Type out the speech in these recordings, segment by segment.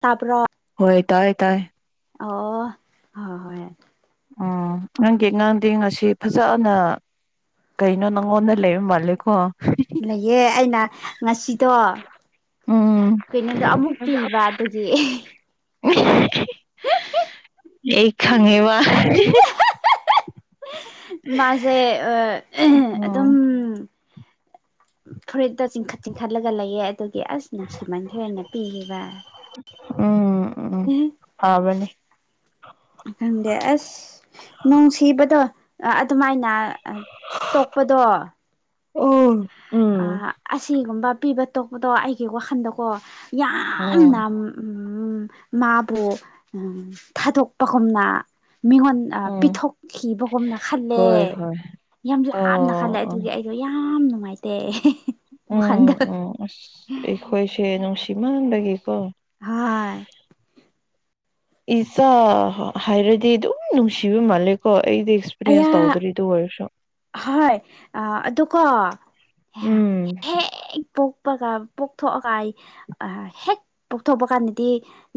ꯇꯥꯄꯔ ꯍ ꯇꯥꯏ ꯇꯥꯏ ꯑꯣ ꯍ ꯍꯣꯏ ꯎꯝ ꯅꯪꯒꯤꯉꯥꯡꯗꯤ ꯉꯁꯤ ꯐꯖꯅ ꯀꯩꯅꯣ ꯅꯪꯉꯣꯡꯗ ꯂꯩꯕ ꯃꯥꯂꯦꯀꯣ ꯂꯩꯌꯦ ꯑꯩꯅ ꯉꯁꯤꯗꯣ ꯎꯝ ꯀꯩꯅꯣꯗꯣ ꯑꯃꯨꯛ ꯄꯤꯕ ꯑꯗꯨꯒꯤ ꯑꯩ ꯈꯪꯉꯦꯕ ꯃꯥꯁꯦ ꯑꯗꯨꯝ ꯎꯝ ꯐꯔꯤꯛꯇ ꯆꯤꯡꯈꯠ ꯆꯤꯡꯈꯠꯂꯒ ꯂꯩꯌꯦ ꯑꯗꯨꯒꯤ ꯑꯁ ꯅꯨꯡꯁꯤꯃꯟꯈꯔꯦꯅ ꯄꯤꯈꯤꯕ ꯎꯝ ꯎꯝ ꯐꯥꯕꯅꯦ ꯃꯊꯪꯗ ꯑꯁ ꯅꯨꯡꯁꯤꯕꯗꯣ ꯑꯗꯨꯃꯥꯏꯅ ꯇꯣꯛꯄꯗꯣ ꯑꯣ ꯑ ꯎꯝ ꯑꯁꯤꯒꯨꯝꯕ ꯄꯤꯕ ꯇꯣꯛꯄꯗꯣ ꯑꯩꯒꯤ ꯋꯥꯈꯜꯗꯀꯣ ꯌꯥꯝꯅ ꯎꯝ ꯎ ꯃꯥꯕꯨ ꯊꯥꯗꯣꯛꯄꯒꯨꯝꯅ ꯃꯤꯉꯣꯟ ꯎꯝ ꯄꯤꯊꯣꯛꯈꯤꯕꯒꯨꯝꯅ ꯈꯜꯂꯦ ꯍꯣꯏ ꯍꯣꯏ ꯌꯥꯝ ꯂꯥꯞꯅ ꯑꯣ ꯈꯜꯂꯦ ꯑꯣ ꯑꯗꯨꯒꯤ ꯑꯩꯗꯣ ꯌꯥꯝ ꯅꯨꯡꯉꯥꯏꯇꯦ ꯎꯝ ꯋꯥꯈꯟꯗ ꯎꯝ ꯑꯦꯈꯣꯏꯁꯦ ꯁꯤꯃꯥꯟꯗꯒ ꯀ ꯍꯣꯏ ꯏꯆꯥ ꯍꯥꯏꯔꯗꯤ ꯑꯗꯨꯝ ꯅꯨꯡꯁꯤꯕ ꯃꯥꯜꯂꯦꯀꯣ ꯑꯩꯗ ꯑꯌꯥ ꯑꯦꯁꯄꯤꯔꯤꯌꯦꯟꯁ ꯇꯧꯗ꯭ꯔꯔꯤ ꯑꯗꯨ ꯋꯥꯔꯁꯨ ꯍꯣꯏ ꯑꯗꯨꯒ ꯀꯣ ꯎꯝ ꯀꯞꯄꯒ ꯄꯣꯛꯊꯣꯛꯑꯒ ꯑꯩ ꯍꯦꯛ ꯄꯣꯛꯊꯣꯛꯄ ꯀꯥꯟꯗꯗꯤ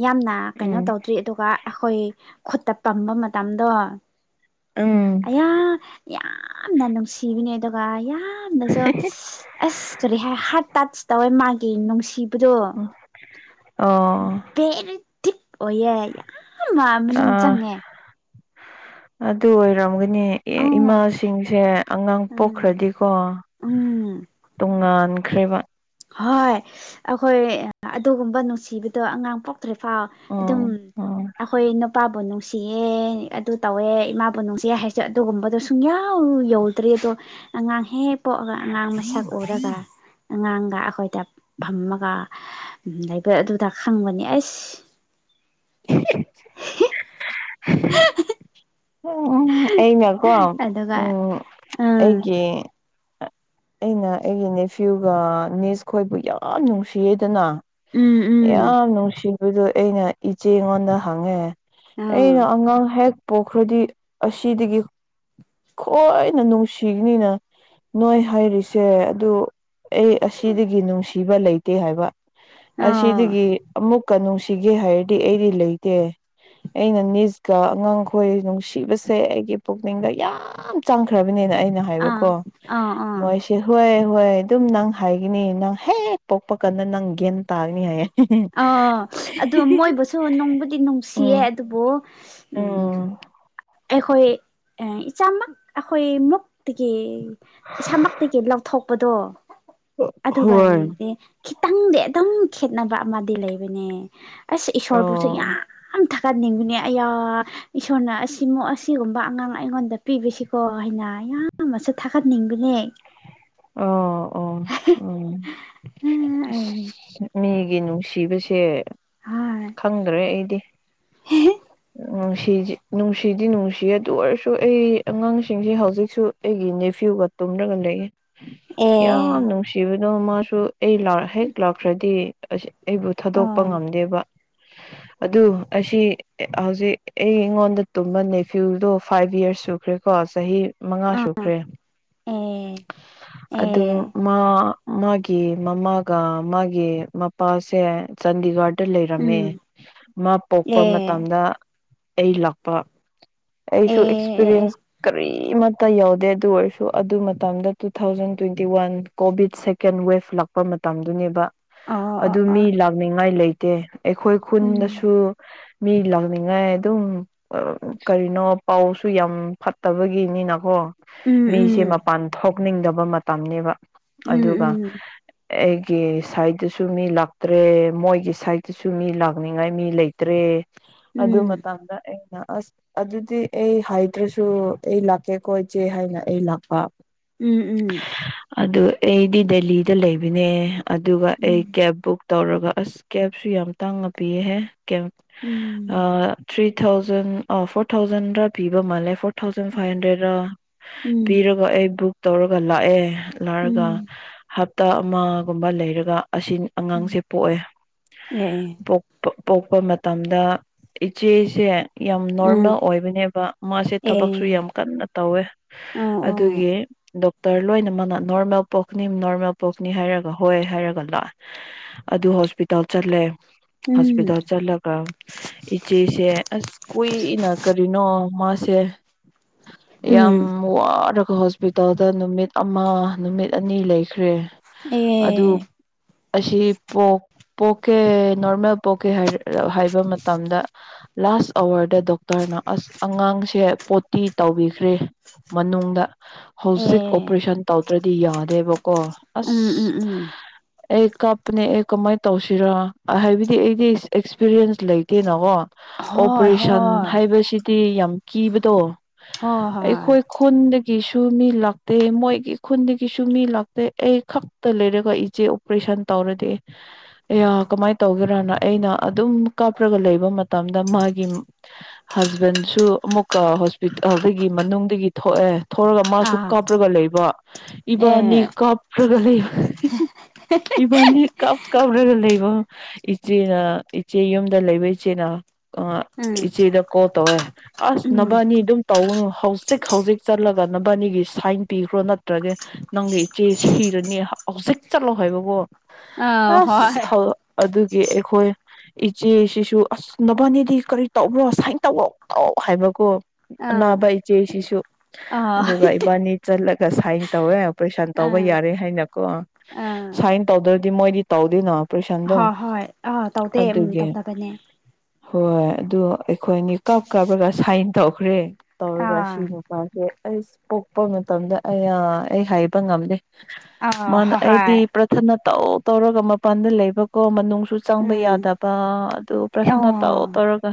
ꯌꯥꯝꯅ ꯀꯩꯅꯣ ꯎꯝ ꯇꯧꯗ꯭ꯔꯤ ꯑꯗꯨꯒ ꯑꯩꯈꯣꯏ ꯈꯨꯠꯇ ꯄꯝꯕ ꯃꯇꯝꯗꯣ ꯎꯝ ꯑꯩꯌꯥ ꯌꯥꯝ ꯌꯥꯝꯅ ꯅꯨꯡꯁꯤꯕꯤꯅꯦ ꯑꯗꯨꯒ ꯌꯥꯝꯅꯁꯨ ꯑꯁ ꯀꯔꯤ ꯍꯥꯏ ꯍꯥꯔꯠ ꯇꯆ ꯇꯧꯋꯦ ꯃꯥꯒꯤ ꯅꯨꯡꯁꯤꯕꯗꯣ ꯑꯣ ꯑꯣꯌꯦ ꯌꯥꯝ ꯃꯅꯨꯡ ꯑꯥ ꯆꯪꯉꯦ ꯑꯗꯨ ꯑꯣꯏꯔꯝꯒꯅꯤ ꯑꯧ ꯏꯃꯥꯁꯤꯡꯁꯦ ꯑꯉꯥꯡ ꯎꯝ ꯄꯣꯛꯈ꯭ꯔꯗꯤꯀꯣ ꯎꯝ ꯇꯣꯉꯥꯟꯈ꯭ꯔꯦꯕ ꯍꯣꯏ ꯑꯩꯈꯣꯏ ꯑꯗꯨꯒꯨꯝꯕ ꯅꯨꯡꯁꯤꯕꯗꯣ ꯑꯉꯥꯡ ꯄꯣꯛ ꯇ꯭ꯔꯤꯐꯥꯎ ꯑꯗꯨꯝ ꯎꯝ ꯎꯝ ꯑꯩꯈꯣꯏ ꯅꯨꯄꯥꯕꯨ ꯅꯨꯡ ꯅꯨꯡꯁꯤꯌꯦ ꯑꯗꯨ ꯇꯧꯋꯦ ꯏꯃꯥꯕꯨ ꯅꯨꯡꯁꯤ ꯍꯥꯏꯁꯦ ꯑꯗꯨꯒꯨꯝꯕꯗꯣ ꯁꯨꯡꯌꯥꯎ ꯌꯧꯗ꯭ꯔꯤ ꯑꯗꯣ ꯑꯉꯥꯡ ꯍꯦꯛ ꯄꯣꯛꯑꯒ ꯑꯉꯥꯡ ꯃꯁꯛ ꯎꯔꯒ ꯑꯉꯥꯡ ꯑꯩꯈꯣꯏꯗ ꯐꯝꯃꯒ ꯂꯩꯕ ꯑꯗꯨꯗ ꯈꯪꯕꯅꯤ ꯑꯁ [inaudible] ꯎꯝ ꯎꯝ ꯑꯩꯅꯀꯣ ꯑꯗꯨꯒ ꯎꯝ ꯎꯝ ꯑꯩꯒꯤ ꯑꯩꯅ ꯑꯩꯒꯤ ꯃꯤꯁꯋꯨꯒ ꯃꯤꯁ ꯈꯣꯏꯕꯨ ꯌꯥꯝ ꯅꯨꯡꯁꯤꯌꯦꯗꯅ ꯎꯝ ꯌꯥꯝ ꯅꯨꯡꯁꯤꯕꯗꯣ ꯑꯩꯅ ꯏꯆꯦꯉꯣꯟꯗ ꯍꯪꯉꯦ ꯎꯝ ꯑꯩꯅ ꯑꯉꯥꯡ ꯍꯦꯛ ꯄꯣꯛꯈ꯭ꯔꯗꯤ ꯑꯁꯤꯗꯒꯤ ꯍꯣꯏꯅ ꯅꯨꯡꯁꯤꯒꯅꯤꯅ ꯅꯣꯏ ꯍꯥꯏꯔꯤꯁꯦ ꯑꯗꯨ ꯑꯩ ꯑꯁꯤꯗꯒꯤ ꯅꯨꯡꯁꯤꯕ ꯂꯩꯇꯦ ꯍꯥꯏꯕ ꯑꯥ ꯑꯁꯤꯗꯒꯤ ꯑꯃꯨꯛꯀ ꯅꯨꯡꯁꯤꯒꯦ ꯍꯥꯏꯔꯗꯤ ꯑꯩꯗꯤ ꯂꯩꯇꯦ ꯑꯩꯅ ꯅꯤꯁꯀ ꯑꯉꯥꯡꯈꯣꯏ ꯅꯨꯡꯁꯤꯕꯁꯦ ꯑꯩꯒꯤ ꯄꯨꯛꯅꯤꯡꯗ ꯌꯥꯝ ꯌꯥꯝ ꯆꯥꯡꯈ꯭ꯔꯕꯅꯤꯅ ꯑꯩꯅ ꯑꯥ ꯍꯥꯏꯕꯀꯣ ꯑꯥ ꯑꯥ ꯑꯥ ꯃꯣꯏꯁꯦ ꯍꯣꯏ ꯍꯣꯏ ꯑꯗꯨꯝ ꯅꯪ ꯍꯥꯏꯒꯅꯤ ꯅꯪ ꯍꯦꯛ ꯄꯣꯛꯄ ꯀꯥꯟꯗ ꯅꯪ ꯒ꯭ꯌꯥꯟ ꯇꯥꯅꯤ ꯍꯥꯏꯌꯦ ꯑ ꯑꯗꯨ ꯃꯣꯏꯕꯨꯁꯨ ꯅꯨꯡꯕꯨꯗꯤ ꯅꯨꯡꯁꯤꯌꯦ ꯎꯝ ꯑꯗꯨꯕꯨ ꯎꯝ ꯑꯩꯈꯣꯏ ꯏꯆꯥꯃꯛ ꯑꯩꯈꯣꯏ ꯃꯨꯛꯇꯒꯤ ꯏꯁꯥꯃꯛꯇꯒꯤ ꯂꯧꯊꯣꯛꯄꯗꯣ ꯍꯣꯏ ꯑꯗꯨꯒꯗꯤ ꯈꯤꯇꯪꯗꯤ ꯑꯗꯨꯝ ꯈꯦꯠꯅꯕ ꯑꯃꯗꯤ ꯂꯩꯕꯅꯦ ꯑꯁ ꯏꯁꯣꯔꯕꯨꯁꯨ ꯑꯣ ꯌꯥꯝ ꯊꯛ ꯀꯟꯅꯤꯡꯕꯅꯦ ꯑꯌꯥ ꯏꯁꯣꯔꯅ ꯑꯁꯤꯃ ꯑꯁꯤꯒꯨꯝꯕ ꯑꯉꯥꯡ ꯑꯩꯉꯣꯟꯗ ꯄꯤꯕꯁꯤꯀꯣ ꯍꯥꯏꯅ ꯑꯌꯥꯝꯕꯁꯨ ꯊꯥꯒꯠꯅꯤꯡꯕꯅꯦ ꯑꯣ ꯑꯣ ꯍꯣꯏ ꯎ ꯃꯤ ꯑꯩ ꯒꯤ ꯅꯨꯡꯁꯤꯕꯁꯦ ꯑꯦ ꯈꯪꯗ꯭ꯔꯦ ꯑꯩꯗꯤ ꯅꯨꯡꯁꯤ ꯅꯨꯡꯁꯤꯗꯤ ꯅꯨꯡꯁꯤ ꯑꯗꯨ ꯑꯣꯏꯔꯁꯨ ꯑꯩ ꯑꯉꯥꯡꯁꯤꯡꯁꯤ ꯍꯧꯖꯤꯛꯁꯨ ꯑꯩꯒꯤ ꯅꯦꯐ꯭ꯌꯨ ꯒ ꯇꯅꯒ ꯂꯩꯦ ꯌꯥꯝ ꯅꯨꯡꯁꯤꯕꯗꯣ ꯃꯥꯁꯨ ꯑꯩ ꯍꯦꯛ ꯂꯥꯛꯈ꯭ꯔꯗꯤ ꯑꯩꯕꯨ ꯊꯥꯗꯣꯛꯄ ꯑꯣ ꯉꯝꯗꯦꯕ [unintelligible] ꯑꯗꯨ ꯑꯁꯤ ꯍꯧꯖꯤꯛ ꯑꯩ ꯑꯩꯉꯣꯟꯗ ꯇꯨꯝꯕ ꯅꯦꯐ꯭ꯌꯨꯗꯣ ꯐꯥꯏꯚ ꯌꯔꯁ ꯁꯨꯈ꯭ꯔꯦꯀꯣ ꯀꯣ ꯆꯍꯤ ꯃꯉꯥ ꯑ ꯁꯨꯈ꯭ꯔꯦ ꯑꯦ ꯑꯗꯨ ꯑꯦ ꯃꯥ ꯃꯥꯒꯤ ꯃꯃꯥꯒ ꯃꯥꯒꯤ ꯃꯄꯥꯁꯦ ꯆꯥꯟꯗꯤꯒꯔ ꯇ ꯂꯩꯔꯝꯃꯦ ꯎꯝ ꯃꯥ ꯄꯣꯛꯄ ꯑꯦ ꯃꯇꯝꯗ ꯑꯩ ꯂꯥꯛꯄ ꯑꯦ ꯑꯩꯁꯨ ꯑꯦ ꯑꯦ ꯑꯦꯛꯁꯄꯤꯔꯤꯌꯦꯟꯁ ꯀꯔꯤꯃꯠꯇ ꯌꯥꯎꯗꯦ ꯑꯗꯨ ꯑꯣꯏꯔꯁꯨ ꯑꯗꯨ ꯃꯇꯝꯗ two thousand twenty one Covid second wave ꯂꯥꯛꯄ ꯃꯇꯝꯗꯨꯅꯦꯕ ꯑꯣ ꯑꯣ ꯑꯗꯨ ꯃꯤ ꯑꯣ ꯂꯥꯛꯅꯤꯡꯉꯥꯏ ꯂꯩꯇꯦ ꯑꯩꯈꯣꯏ ꯎꯝ ꯈꯨꯟꯗꯁꯨ ꯃꯤ ꯂꯥꯛꯅꯤꯡꯉꯥꯏ ꯑꯗꯨꯝ ꯀꯔꯤꯅꯣ ꯄꯥꯎꯁꯨ ꯌꯥꯝ ꯐꯠꯇꯕꯒꯤꯅꯤꯅꯀꯣ ꯎꯝ ꯃꯤꯁꯦ ꯎꯝ ꯃꯄꯥꯟ ꯊꯣꯛꯅꯤꯡꯗꯕ ꯃꯇꯝꯅꯤꯅꯦꯕ ꯎꯝ ꯑꯗꯨꯒ ꯎꯝ ꯑꯩꯒꯤ ꯁꯥꯏꯗꯠꯇꯁꯨ ꯃꯤ ꯂꯥꯛꯇ꯭ꯔꯦ ꯃꯣꯏꯒꯤ ꯁꯥꯏꯗꯠꯇꯁꯨ ꯃꯤ ꯂꯥꯛꯅꯤꯡꯉꯥꯏ ꯃꯤ ꯂꯩꯇ꯭ꯔꯦ ꯑꯗꯨ ꯎꯝ ꯃꯇꯥꯡꯗ ꯑꯩꯅ ꯑꯁ ꯑꯗꯨꯗꯤ ꯑꯩ ꯍꯥꯏꯗ꯭ꯔꯁꯨ ꯑꯩ ꯂꯥꯛꯀꯦꯀꯣ ꯏꯆꯦ ꯍꯥꯏꯅ ꯑꯩ ꯂꯥꯛꯄ ꯎꯝ ꯎꯝ ꯑꯗꯨ ꯑꯩꯗꯤ ꯗꯦꯂꯤꯗ ꯂꯩꯕꯅꯦ ꯑꯗꯨꯒ ꯑꯩ ꯀꯦꯕ ꯕꯨꯛ ꯇꯧꯔꯒ ꯑꯁ ꯀꯦꯞꯁꯨ ꯌꯥꯝ ꯇꯥꯡꯅ ꯄꯤꯌꯦꯍꯦ ꯀꯦꯞ ꯎꯝ ꯊ꯭ꯔꯤ ꯐ ꯊꯥꯎꯖꯟ ꯐꯣꯔ ꯊꯥꯎꯖꯟꯗ ꯄꯤꯕ ꯃꯥꯜꯂꯦ four thousand five hundred um ꯄꯤꯔꯒ ꯑꯩ ꯕꯨꯛ ꯇꯧꯔꯒ ꯂꯥꯛꯑꯦ ꯂꯔꯒ ꯎꯝ ꯍ ꯇ ꯑꯃꯒꯨꯝꯕ ꯂꯩꯔꯒ ꯑꯁꯤ ꯑꯉꯥꯡꯁꯦ ꯎꯝ ꯄꯣꯛꯑꯦ ꯑꯦ ꯄꯣꯛꯄ ꯄꯣꯛꯄ ꯃꯇꯝꯗ ꯏꯆꯦꯁꯦ ꯌꯥꯝ ꯑ ꯅꯣꯔꯃꯦꯜ ꯑꯣꯏꯕꯅꯦꯕ ꯃꯥꯁꯦ ꯊꯕꯛꯁꯨ ꯑꯦ ꯌꯥꯝ ꯀꯟꯅ ꯇꯧꯋꯦ ꯑꯣ ꯑꯣ ꯑꯗꯨꯒꯤ ꯗꯣꯛ ꯔ ꯂꯣꯏꯅ ꯃꯅ ꯅꯣꯔꯃꯦꯜ ꯄꯣꯛꯅꯤ ꯅꯣꯔꯃꯦꯜ ꯄꯣꯛꯈꯅꯤ ꯍꯥꯏꯔꯒ ꯍꯣꯏ ꯍꯥꯏꯔꯒ ꯂꯥꯛꯑꯦ ꯑꯗꯨ ꯍꯣꯁꯄꯤꯇꯥꯜ ꯆꯠꯂꯦ ꯎꯝ ꯍꯣꯁꯄꯤꯇꯥꯜ ꯆꯠꯂꯒ ꯏꯆꯦꯁꯦ ꯑꯁ ꯀꯨꯏꯅ ꯀꯔꯤꯅꯣ ꯃꯥꯁꯦ ꯌꯥꯝ ꯎꯝ ꯋꯥꯔꯒ ꯍꯣꯁꯄꯤꯇꯥꯜꯗ ꯅꯨꯃꯤ ꯅꯨꯃꯤꯠ ꯑꯃ ꯅꯨꯃꯤꯠ ꯑꯅꯤ ꯂꯩꯈ꯭ꯔꯦ ꯑꯗꯨ ꯑꯦ ꯑꯁꯤ ꯄꯣꯛꯀꯦ ꯅꯣꯔꯃꯦꯜ ꯄꯣꯛꯀꯦ ꯍꯥꯏꯕ ꯃꯇꯝꯗ ꯂꯥꯁ ꯑꯋꯥꯔꯗ ꯗꯣꯛꯇꯔꯅ ꯑꯁ ꯑꯉꯥꯡꯁꯦ ꯄꯣꯇꯤ ꯇꯧꯕꯤꯈ꯭ꯔꯦ ꯃꯅꯨꯡꯗ ꯍꯧꯖꯤꯛ ꯑꯦ ꯑꯣꯄꯔꯦꯁꯟ ꯇꯧꯗ꯭ꯔꯗꯤ ꯌꯥꯗꯦꯕꯀꯣ ꯎꯝ ꯎꯝ ꯑꯁ ꯎꯝ ꯑꯦ ꯀꯞꯄꯅꯦ ꯑꯦ ꯀꯃꯥꯏꯅ ꯇꯧꯁꯤꯔꯣ ꯍꯥꯏꯕꯗꯤ ꯑꯩꯗꯤ ꯑꯦꯛꯁꯄꯤꯔꯤꯌꯦꯟꯁ ꯂꯩꯇꯦꯅꯀꯣ ꯍꯣꯏ ꯑꯣꯄꯔꯦꯁꯟ ꯍꯣꯏ ꯍꯥꯏꯕꯁꯤ ꯌꯥꯝ ꯀꯤꯕꯗꯣ ꯍꯣꯏ ꯑꯩꯈꯣꯏ ꯈꯨꯟ ꯒꯤꯁꯨ ꯃꯤ ꯂꯥꯛꯇꯦ ꯃꯣꯏꯒꯤ ꯈꯨꯟꯗꯒꯤꯁꯨ ꯃꯤ ꯂꯥꯛꯇꯦ ꯑꯩ ꯈꯛꯇ ꯂꯩꯔꯒ ꯏꯆꯦ ꯑꯣꯄꯔꯦꯁꯟ ꯇꯧꯔꯗꯤ ꯀꯃꯥꯏꯅ ꯇꯧꯒꯦꯔꯅ ꯑꯩꯅ ꯑꯗꯨꯝ ꯀꯥꯞꯔꯒ ꯂꯩꯕ ꯃꯇꯝꯗ ꯃꯥꯒꯤ ꯍꯁꯕꯦꯟꯁꯨ ꯑꯃꯨꯛꯀ ꯍꯣꯁꯄꯤꯇꯥꯜꯗꯒꯤ ꯃꯅꯨꯡꯗꯒꯤ ꯊꯣꯛꯑꯦ ꯊꯧꯔꯒ ꯃꯥꯁꯨ ꯑꯥ ꯀꯥꯞ꯭ꯔꯒ ꯂꯩꯕ ꯏꯕꯥꯅꯤ ꯑꯦ ꯀꯥꯞ꯭ꯔꯒ ꯂꯩꯕ ꯏꯕꯥꯟꯗꯤ ꯀꯞ ꯀꯥꯞꯂꯒ ꯂꯩꯕ ꯏꯆꯦꯅ ꯏꯆꯦ ꯌꯨꯝꯗ ꯂꯩꯕ ꯏꯆꯦꯅ ꯑ ꯎꯝ ꯏꯆꯦꯗ ꯀꯣꯜ ꯇꯧꯋꯦ ꯑꯁ ꯎꯝ ꯅꯚꯅꯤ ꯑꯗꯨꯝ ꯇꯧꯅꯨ ꯍꯧꯖꯤꯛ ꯍꯧꯖꯤꯛ ꯆꯠꯂꯒ ꯅꯕꯥꯅꯤꯒꯤ ꯁꯥꯏꯟ ꯄꯤꯈ꯭ꯔꯣ ꯅꯠꯇ꯭ꯔꯒ ꯅꯪꯒꯤ ꯏꯆꯦ ꯁꯤꯔꯅꯤ ꯍꯧꯖꯤꯛ ꯆꯠꯂꯣ ꯍꯥꯏꯕꯕꯨꯣ ꯑ ꯍꯣꯏ ꯑꯁ ꯑꯗꯨꯒꯤ ꯑꯩꯈꯣꯏ ꯏꯆꯦꯁꯤꯁꯨ ꯑꯁ ꯅꯕꯥꯅꯤꯗꯤ ꯀꯔꯤ ꯇꯧꯕ꯭ꯔꯣ ꯁꯨꯃꯥꯏꯅ ꯇꯧꯔꯛ ꯇꯧ ꯍꯥꯏꯕꯀꯣ ꯑꯥ ꯑꯅꯥꯕ ꯏꯆꯦꯁꯤꯁꯨ ꯑꯥ ꯑꯗꯨꯒ ꯏꯕꯥꯅꯤ ꯆꯠꯂꯒ ꯁꯥꯏꯟ ꯇꯧꯋꯦ ꯄꯩꯁꯥꯟ ꯑꯥ ꯇꯧꯕ ꯌꯥꯔꯦ ꯍꯥꯏꯅꯀꯣ ꯁꯥꯏꯟ ꯇꯧꯗ꯭ꯔꯗꯤ ꯃꯣꯏꯗꯤ ꯇꯧꯗꯣꯏꯅꯣ ꯍꯣꯏ ꯍꯣꯏ ꯑꯥ ꯇꯧꯗꯦ ꯎꯝ ꯇꯧꯗꯕꯅꯦ ꯍꯣꯏ ꯑꯗꯨ ꯑꯩꯈꯣꯏꯅꯤ ꯀꯞ ꯀꯞꯂꯒ ꯁꯥꯏꯟ ꯇꯧꯈ꯭ꯔꯦ ꯇꯧꯔꯒ ꯁꯤ ꯑꯥ ꯅꯨꯄꯥꯁꯦ ꯑꯩ ꯄꯣꯛꯄ ꯃꯇꯝꯗ ꯑꯩꯅ ꯑꯩ ꯍꯥꯏꯕ ꯉꯝꯗꯦ ꯑ ꯁꯍꯥꯏ ꯆꯊꯅ ꯇꯧ ꯇꯧꯔꯒ ꯃꯄꯥꯟꯗ ꯂꯩꯕꯀꯣ ꯃꯅꯨꯡ ꯁꯨ ꯆꯪꯕ ꯎꯝ ꯌꯥꯗꯕ ꯑꯗꯨ ꯄ꯭ꯔꯁꯅ ꯇꯧꯔ ꯑꯣ ꯇꯧꯔꯒ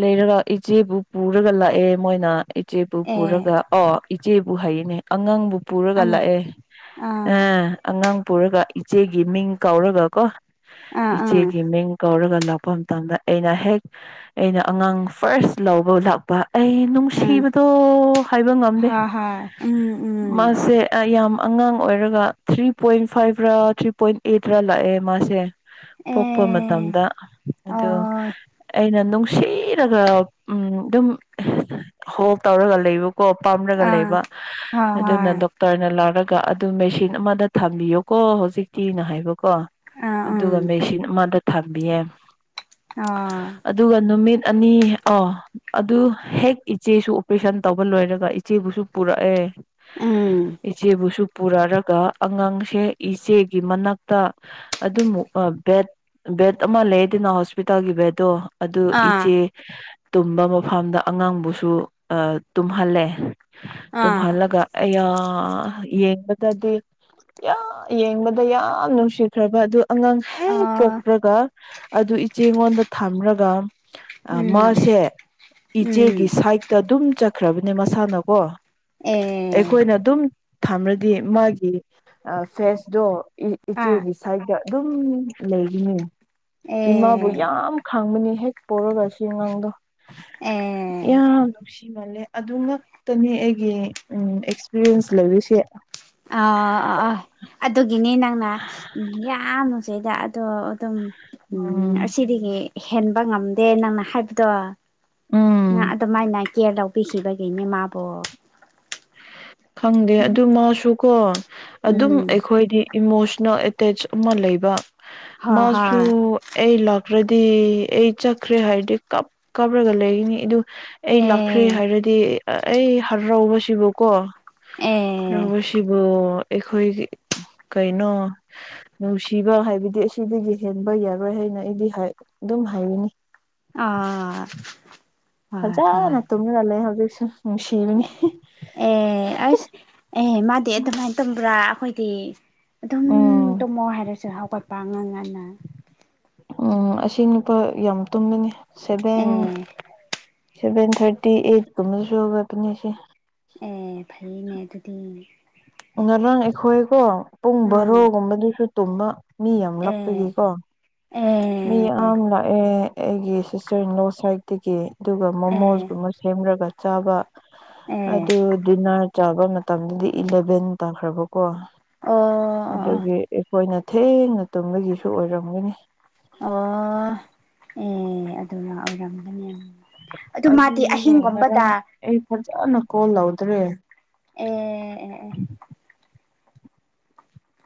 ꯂꯩꯔꯒ ꯏꯆꯦꯕꯨ ꯄꯨꯔꯒ ꯂꯥꯛꯑꯦ ꯃꯣꯏꯅ ꯏꯆꯦꯕꯨ ꯑꯦ ꯄꯨꯔꯒ ꯑꯣ ꯏꯆꯦꯕꯨ ꯍꯩꯌꯦꯅꯦ ꯑꯉꯥꯡꯕꯨ ꯄꯨꯔꯒ ꯑꯉ ꯂꯥꯛꯑꯦ ꯑꯥ ꯑꯦ ꯑꯉꯥꯡ ꯄꯨꯔꯒ ꯏꯆꯦꯒꯤ ꯃꯤꯡ ꯀꯧꯔꯒ ꯀꯣ ꯑꯥ ꯏꯆꯦꯒꯤ ꯃꯤꯡ ꯀꯧꯔꯒ ꯑꯗꯨꯒ ꯂꯥꯛꯄ ꯃꯇꯝꯗ ꯑꯩꯅ ꯍꯦꯛ ꯑꯩꯅ ꯑꯉꯥꯡ ꯐꯥꯔꯁ ꯂꯧꯕ ꯂꯥꯛꯄ ꯑꯩ ꯑꯥ ꯎꯝ ꯅꯨꯡꯁꯤꯕꯗꯣ ꯍꯥꯏꯕ ꯉꯝꯗꯦ ꯍꯣꯏ ꯍꯣꯏ ꯎꯝ ꯎꯝ ꯃꯥꯁꯦ ꯌꯥꯝ ꯑꯉꯥꯡ ꯑꯣꯏꯔꯒ ꯊ꯭ꯔꯤ ꯄꯣꯏꯟ ꯐꯥꯏꯚ ꯔ ꯊ꯭ꯔꯤ ꯄꯣꯏꯟ ꯑꯩꯠꯔ ꯂꯥꯛꯑꯦ ꯃꯥꯁꯦ ꯄꯣꯛꯄ ꯑꯦ ꯃꯇꯝꯗ ꯑ ꯑꯣꯏ ꯑꯩꯅ ꯅꯨꯡ ꯁꯤꯔꯒ ꯎ ꯑꯗꯨꯝ ꯍꯣꯜ ꯇꯧꯔꯒ ꯂꯩꯕ ꯀꯣ ꯄꯥꯝꯔꯒ ꯑꯥ ꯂꯩꯕ ꯍꯣꯏ ꯑꯗꯨꯅ ꯍꯣꯏ ꯗꯣꯛꯇꯔꯅ ꯂꯥꯛꯔꯒ ꯑꯗꯨ ꯃꯦꯁꯤꯟ ꯑꯃꯗ ꯊꯝꯕꯤꯌꯨ ꯀꯣ ꯍꯧꯖꯤꯛꯇꯤꯅ ꯍꯥꯏꯕꯀꯣ ꯑꯥ ꯎꯝ ꯑꯗꯨꯒ ꯃꯦꯁꯤꯟ ꯑꯃꯗ ꯊꯥꯕꯤꯌꯦ ꯑꯥ ꯑꯗꯨꯒ ꯅꯨꯃꯤꯠ ꯑꯅꯤ ꯑ ꯑꯗꯨ ꯍꯦꯛ ꯏꯆꯦꯁꯨ ꯑꯣꯄꯔꯦꯁꯟ ꯇꯧꯕ ꯂꯣꯏꯔꯒ ꯏꯆꯦꯕꯨꯁꯨ ꯄꯨꯔꯛꯑꯦ ꯎꯝ ꯏꯆꯦꯕꯨꯁꯨ ꯄꯨꯔꯔꯒ ꯑꯉꯥꯡꯁꯦ ꯏꯆꯦꯒꯤ ꯃꯅꯥꯛꯇ ꯑꯗꯨꯃ ꯕꯦꯠ ꯕꯦꯠ ꯑꯃ ꯂꯩ ꯑꯗꯨꯅ ꯍꯣꯁꯄꯤꯇꯥꯜꯒꯤ ꯕꯗꯣ ꯑꯗꯨ ꯑꯥ ꯏꯆꯦ ꯇꯨꯝꯕ ꯃꯐꯝꯗ ꯑꯉꯥꯡꯕꯨꯁꯨ ꯑ ꯇꯨꯝꯍꯜꯂꯦ ꯑꯥ ꯇꯨꯝꯍꯜꯂꯒ ꯌꯥ ꯌꯦꯡꯕꯗꯗꯤ ꯌꯦꯡꯕꯗ ꯌꯥꯝ ꯅꯨꯡꯁꯤꯈ꯭ꯔꯕ ꯑꯗꯨ ꯑꯉꯥꯡ ꯍꯦꯛ ꯑꯥ ꯄꯣꯛꯄ꯭ꯔꯒ ꯑꯗꯨ ꯏꯆꯦꯉꯣꯟꯗ ꯊꯝꯂꯒ ꯎꯝ ꯃꯥꯁꯦ ꯎꯝ ꯏꯆꯦꯒꯤ ꯁꯥꯏꯗꯠꯇ ꯑꯗꯨꯝ ꯆꯠꯈ꯭ꯔꯕꯅꯦ ꯃꯁꯥꯅꯀꯣ ꯑꯦ ꯑꯩꯈꯣꯏꯅ ꯑꯗꯨꯝ ꯊꯝꯃꯗꯤ ꯃꯥꯒꯤ ꯐꯦꯁꯇꯣ ꯑꯥ ꯏꯆꯦꯒꯤ ꯁꯥꯏꯗꯠꯇ ꯑꯗꯨꯝ ꯂꯩꯈꯤꯅꯤ ꯏꯃꯥꯕꯨ ꯑꯦ ꯌꯥꯝ ꯍꯥꯡꯕꯅꯤ ꯍꯦꯛ ꯄꯔꯒ ꯁꯤ ꯑꯉꯥꯡꯗꯣ ꯑꯦ ꯌꯥꯝ ꯅꯨꯡ ꯏꯃꯜꯂꯦ ꯑꯗꯨ ꯉꯛꯇꯅꯤ ꯑꯩꯒꯤ ꯑꯦꯛꯁꯄꯤꯔꯤꯌꯦꯟꯁ ꯂꯩꯔꯤꯁꯦ ꯑ ꯑ ꯑ ꯑꯗꯨꯒꯤꯅꯦ ꯅꯪꯅ ꯌꯥꯝꯃꯨꯁꯤꯗ ꯑꯗꯣ ꯑꯗꯨꯝ ꯎꯝ ꯑꯁꯤ ꯍꯦꯟꯕ ꯉꯝꯗꯦ ꯅꯪꯅ ꯍꯥꯏꯕꯗꯣ ꯅ ꯎꯝ ꯑꯗꯨꯃꯥꯏꯅ ꯀꯦꯌꯔ ꯂꯧꯕꯤꯈꯤꯕꯒꯤꯅꯦ ꯃꯥꯕꯨꯣ ꯈꯪꯗꯦ ꯑꯗꯨꯃꯁꯨ ꯀꯣ ꯑꯗꯨꯝ ꯎꯝ ꯑꯩꯈꯣꯏꯗꯤ ꯏꯃꯣꯁꯅꯦꯜ ꯑꯃ ꯂꯩꯕ ꯍꯣꯏ ꯃꯥꯁꯨ ꯍꯣꯏ ꯑꯩ ꯈ꯭ꯔꯗꯤ ꯑꯩ ꯆꯠꯈ꯭ꯔꯦ ꯍꯥꯏꯔꯗꯤ ꯀꯞ ꯀꯥꯞꯂꯒ ꯂꯩꯈꯤꯅꯤ ꯑꯗꯨ ꯑꯩ ꯂꯥꯛꯈ꯭ꯔꯦ ꯑꯦ ꯍꯥꯏꯔꯗꯤ ꯑꯩ ꯍꯔꯎꯁꯤꯕꯨꯀꯣ ꯑꯦ ꯔꯃꯁꯤꯕ ꯑꯩꯈꯣꯏꯒꯤ ꯀꯩꯅꯣ ꯅꯨꯡꯁꯤꯕ ꯍꯥꯏꯕꯗꯤ ꯑꯁꯤꯗꯒꯤ ꯍꯦꯟꯕ ꯌꯥꯔꯣꯏ ꯍꯥꯏ ꯑꯩꯗꯤ ꯑꯗꯨꯝ ꯍꯥꯏꯔꯤꯅꯤ ꯑ ꯍꯖꯥ ꯅ ꯇꯃꯤ ꯂ ꯂꯩꯦ ꯍꯧꯖꯤꯁꯨ ꯑꯦ ꯑꯦ ꯑꯁ ꯑꯦ ꯃꯥꯗꯤ ꯑꯗꯨꯃꯥꯏꯅ ꯇꯝꯕ꯭ꯔꯥ ꯑꯩꯈꯣꯏ ꯗꯤ ꯑꯗꯨꯝ ꯎꯝ ꯇꯨꯝꯃꯣ ꯍꯥꯏꯔꯁꯨ ꯍꯧꯒꯠꯄ ꯑꯉꯥꯡ ꯉꯟꯅ ꯎꯝ ꯑꯁꯤ ꯅꯨꯄꯥ ꯌꯥꯝ ꯇꯨꯝꯕꯅꯤ seven uh seven thirty eight ꯀ ꯃꯁꯨꯣꯕꯅꯤ ꯑꯁꯤꯦ ꯑꯦ ꯐꯩꯌꯦꯅꯦ ꯑꯗꯨꯗꯤ ꯉꯔꯥꯡ ꯑꯩꯈꯣꯏꯀꯣ ꯄꯨꯡ ꯎꯝ ꯕꯣꯔꯣꯒꯨꯝꯕꯗꯨꯁꯨ ꯇꯨꯝꯕ ꯃꯤ ꯌꯥꯝ ꯑꯦ ꯂꯥꯛꯄꯒꯤꯀꯣ ꯃꯤ ꯑꯦ ꯌꯥꯝ ꯂꯥꯛꯑꯦ ꯑꯩꯒꯤ ꯁꯤꯁꯇꯔ ꯏꯟꯂꯣ ꯁꯥꯏꯗꯠꯇꯒꯤ ꯑꯗꯨꯒ ꯑꯦ ꯃꯣꯃꯣꯁꯀꯨꯝꯕ ꯁꯦꯝꯔꯒ ꯆꯥꯕ ꯑꯦ ꯑꯗꯨ ꯗꯤꯅꯔ ꯆꯥꯕ ꯃꯇꯝꯗꯗꯤ ꯏꯂꯚꯦꯟ ꯇꯥꯈ꯭ꯔꯕ ꯀꯣ ꯑꯣ ꯑꯣ ꯑꯗꯨꯒꯤ ꯑꯩꯈꯣꯏꯅ ꯊꯦꯡꯅ ꯇꯨꯝꯕꯒꯤꯁꯨ ꯑꯣꯏꯔꯝꯒꯅꯤ ꯑꯣ ꯑꯦ ꯑꯗꯨ ꯂꯥꯛ ꯑꯣꯏꯔꯝꯒꯅꯤ ꯑꯗꯨ ꯃꯥꯗꯤ ꯑꯗꯨꯅꯦ ꯑꯍꯤꯡꯒꯨꯝꯕꯗ ꯉꯔꯥꯡ ꯑꯩ ꯐꯖꯅ ꯀꯣꯜ ꯂꯧꯗ꯭ꯔꯦ ꯑꯦ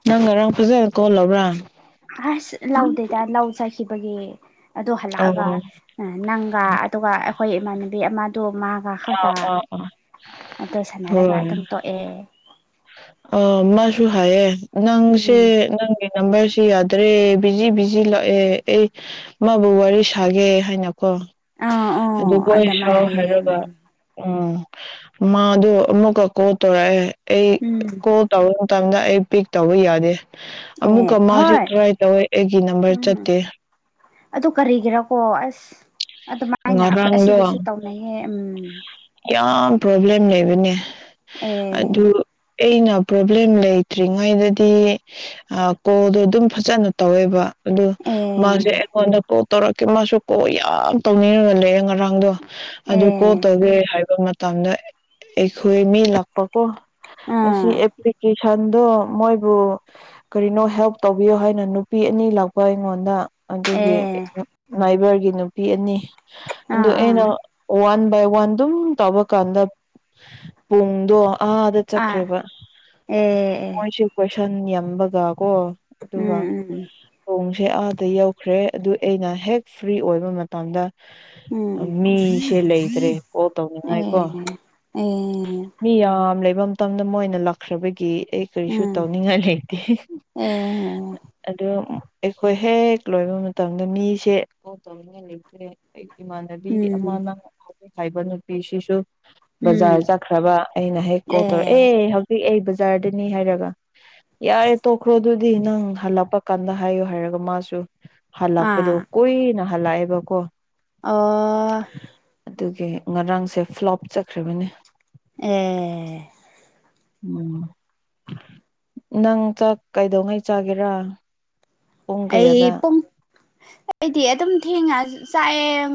ꯅꯪ ꯉꯔꯥꯡ ꯐꯖꯩ ꯀꯣꯜꯕ꯭ꯔꯥ ꯍꯥꯥꯁ ꯂꯎꯗꯦꯗ ꯂꯎ ꯆꯁꯤꯕꯒꯦ ꯑꯗꯨ ꯍꯜꯂꯛꯑꯒ ꯑꯣ ꯅꯪꯒ ꯑꯗꯨꯒ ꯑꯩꯈꯣꯏ ꯏꯃꯥꯟꯅꯕꯤ ꯑꯃꯗꯨ ꯃꯥꯒ ꯍꯥꯎꯇꯥ ꯑꯥ ꯑꯥ ꯑꯗꯨ ꯁꯥꯟꯅꯔꯒ ꯍꯣꯏ ꯑꯗꯨꯝ ꯇꯣꯛꯑꯦ ꯑ ꯃꯥꯁꯨ ꯍꯥꯏꯌꯦ ꯅꯪꯁꯦ ꯎꯝ ꯅꯪꯒꯤ ꯅꯝꯕꯔꯁ ꯁꯤ ꯌꯥꯗ꯭ꯔꯦ ꯕꯤꯖꯤ ꯕꯤꯖꯤ ꯂꯥꯛꯑꯦ ꯑꯩ ꯃꯥꯕꯨ ꯋꯥꯔꯤ ꯁꯥꯒꯦ ꯍꯥꯏꯅ ꯀꯣ ꯑꯥ ꯑꯥ ꯑꯗꯨꯒ ꯑꯗꯨꯃꯥꯏ ꯁꯥꯎ ꯍꯥꯏꯌꯦ ꯍꯥꯏꯔꯒ ꯎꯝ ꯎꯥ ꯃꯥ ꯑꯗꯨ ꯑꯃꯨꯛꯀ ꯀꯣ ꯇꯧꯔꯛꯑꯦ ꯑꯩ ꯎꯝ ꯀꯣ ꯇꯧꯔꯦ ꯃꯇꯝꯗ ꯑꯩ ꯄꯤꯛ ꯇꯧꯕ ꯌꯥꯗꯦ ꯑꯦ ꯑꯃꯨꯛꯀ ꯃꯥꯁꯨ ꯍꯣꯏ ꯇ꯭ꯔꯥꯏ ꯇꯧꯋꯦ ꯑꯩꯒꯤ ꯅꯝꯕꯔ ꯎꯝ ꯆꯠꯇꯦ ꯑꯗꯨ ꯀꯔꯤꯒꯤꯔꯀꯣ ꯑꯁ ꯑꯗꯨꯃꯥꯏꯅ ꯑꯩꯈꯣꯏ ꯉꯔꯥꯡꯗꯣ ꯑꯁꯤꯗꯁꯨ ꯇꯧꯅꯩꯌꯦ ꯎꯝ ꯌꯥꯝ ꯄ꯭ꯔꯣꯕ꯭ꯂꯦꯝ ꯂꯩꯕꯅꯦ ꯑꯦ ꯑꯗꯨ ꯑꯩꯅ ꯄ꯭ꯔꯣꯕ꯭ꯂꯦꯝ ꯂꯩꯇ꯭ꯔꯤꯉꯩꯗꯗꯤ ꯀꯣꯜꯗꯣ ꯑꯗꯨꯝ ꯐꯖꯅ ꯇꯧꯋꯦꯕ ꯑꯗꯨ ꯑꯦ ꯃꯥꯁꯦ ꯑꯩꯉꯣꯟꯗ ꯀꯣ ꯇꯧꯔꯛꯀꯦ ꯃꯥꯁꯨ ꯀꯣ ꯌꯥꯝ ꯇꯧꯅꯤꯡꯔꯨꯔ ꯂꯩꯦ ꯉꯔꯥꯡꯗꯣ ꯑꯗꯨ ꯑꯦ ꯀꯣꯠꯇꯒꯦ ꯍꯥꯏꯕ ꯃꯇꯝꯗ ꯑꯩꯈꯣꯏ ꯃꯤ ꯂꯥꯛꯄꯀꯣ ꯁꯤ ꯑꯥ ꯑꯦꯄ꯭ꯀꯦ ꯁꯟꯗꯣ ꯃꯣꯏꯕꯨ ꯀꯔꯤꯅꯣ ꯍꯦꯜꯞ ꯇꯧꯕꯤꯌꯣ ꯍꯥꯏꯅ ꯅꯨꯄꯤ ꯑꯅꯤ ꯂꯥꯛꯄ ꯑꯩꯉꯣꯟꯗ ꯑꯗꯨꯒꯤ ꯑꯦ ꯃꯥꯏꯕꯔꯒꯤ ꯅꯨꯄꯤ ꯑꯅꯤ ꯑꯗꯨ ꯑꯥ ꯑꯥ ꯑꯩꯅ ꯋꯥꯟ ꯕꯥꯏ ꯋꯥꯟ ꯑꯗꯨꯝ ꯇꯧꯕ ꯀꯥꯟꯗ ꯄꯨꯡꯗꯣ ꯑꯥꯗ ꯑꯥ ꯆꯠꯈ꯭ꯔꯦꯕ ꯑꯦ ꯑꯦ ꯃꯣꯏꯁꯤꯦ ꯀꯣꯏꯁꯟ ꯌꯥꯝꯕꯒ ꯑꯣꯣ ꯑꯗꯨ ꯋꯥ ꯎꯝ ꯎꯝ ꯍ ꯁ ꯑꯥꯗ ꯌꯧꯈ꯭ꯔꯦ ꯑꯗꯨ ꯑꯩꯅ ꯍꯦꯛ ꯐ꯭ꯔꯤ ꯑꯣꯏꯕ ꯃꯇꯝꯗ ꯎꯝ ꯃꯤꯁꯦ ꯂꯩꯇ꯭ꯔꯦ ꯀꯣ ꯑꯣ ꯑꯦ ꯇꯧꯅꯤꯡꯉꯥꯏꯀꯣ ꯃꯤ ꯌꯥꯝ ꯂꯩꯐꯝ ꯃꯇꯝꯗ ꯃꯣꯏ ꯑꯣꯏꯅ ꯂꯥꯛꯈ꯭ꯔꯕꯒꯤ ꯑꯩ ꯀꯔꯤꯁꯨ ꯇꯧꯅꯤꯡꯉꯥꯏ ꯂꯩꯇꯦ ꯑꯣ ꯑꯩꯈꯣꯏ ꯍꯦꯛ ꯂꯣꯏꯕ ꯃꯇꯝꯗ ꯃꯤꯁꯦꯧꯅꯤꯡꯉꯥꯏ ꯂꯩꯇ꯭ꯔꯦ ꯏꯃꯥꯟꯅꯕꯤ ꯑꯃꯅ ꯈꯥꯏꯕ ꯅꯨꯄꯤꯁꯤꯁꯨ ꯕꯖꯥꯔ ꯆꯠꯈ꯭ꯔꯕ ꯑꯩꯅ ꯍꯦꯛ ꯀꯣꯜ ꯇꯧꯔ ꯑꯦ ꯍꯧꯖꯤꯛ ꯑꯩ ꯖꯥꯔꯗꯅꯤ ꯍꯥꯏꯔꯒ ꯌꯥꯔꯦ ꯇꯣꯛꯈ꯭ꯔꯣ ꯑꯗꯨꯗꯤ ꯅꯪ ꯍꯜꯂꯛꯄ ꯀꯥꯟꯗ ꯍꯥꯏꯌꯨ ꯍꯥꯏꯔꯒ ꯃꯥꯁꯨ ꯍꯜꯂꯛꯄꯗꯣ ꯀꯨꯏꯅ ꯐꯂꯕ ꯀꯣ ꯑꯣ ꯑꯗꯨꯒꯤ ꯉꯔꯥꯡꯁꯦ ꯐ꯭ꯂꯣꯞ ꯆꯠꯈ꯭ꯔꯕꯅꯤ ꯑꯦ ꯎꯝ ꯅꯪꯥꯛ ꯀꯩꯗꯧꯉꯩ ꯆꯥꯒꯦꯔꯥ ꯄꯨꯡ ꯑꯩ ꯀꯌꯥꯗ ꯄꯨꯡ ꯑꯩꯗꯤ ꯑꯗꯨꯝ ꯊꯦꯡꯉ ꯆꯥꯏꯑ